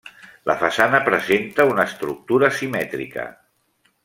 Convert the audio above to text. La façana presenta una estructura simètrica.